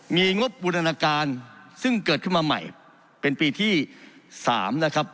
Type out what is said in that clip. มีงบบูรณาการซึ่งเกิดขึ้นมาใหม่เป็นปีที่๓นะครับ